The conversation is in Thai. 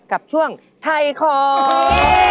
กับช่วงไทยของ